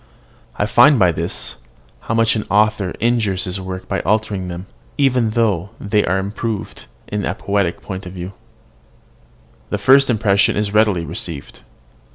I find by this, how much an author injures his works by altering them, even though they be improved in a poetical point of view. The first impression is readily received.